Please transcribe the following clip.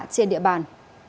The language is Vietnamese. trên địa bàn